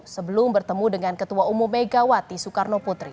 sebelum bertemu dengan ketua umum megawati soekarno putri